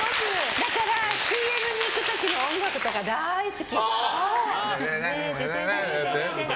だからＣＭに行く時の音楽とか大好き。